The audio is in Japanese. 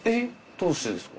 どうしてですか？